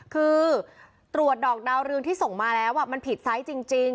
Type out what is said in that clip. คือตรวจดอกดาวเรืองที่ส่งมาแล้วมันผิดไซส์จริง